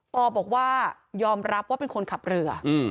อบอกว่ายอมรับว่าเป็นคนขับเรือ